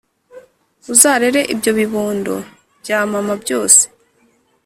Uzarere ibyo bibondo bya mama byose